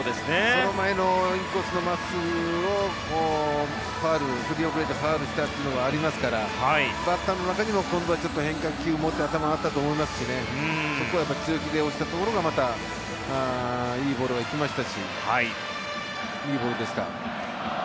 その前のインコースの真っすぐを振り遅れてファウルしたというのがありますからバッターの中にも今度は変化球というのが頭にあったと思いますしそこは強気で押したところがまた生きましたしいいボールでした。